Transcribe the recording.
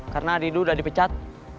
karena adidu udah dipecat